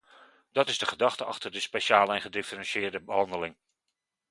Dat is de gedachte achter de speciale en gedifferentieerde behandeling.